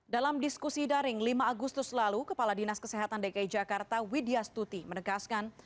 dalam diskusi daring lima agustus lalu kepala dinas kesehatan dki jakarta widya stuti menegaskan